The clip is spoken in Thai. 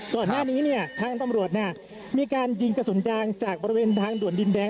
ก่อนหน้านี้เนี่ยทางตำรวจมีการยิงกระสุนยางจากบริเวณทางด่วนดินแดง